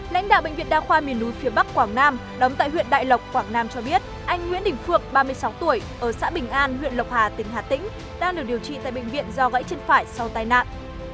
lãnh đạo bệnh viện đa khoa miền núi phía bắc quảng nam đóng tại huyện đại lộc quảng nam cho biết anh nguyễn đình phượng ba mươi sáu tuổi ở xã bình an huyện lộc hà tỉnh hà tĩnh đang được điều trị tại bệnh viện do gãy chân phải sau tai nạn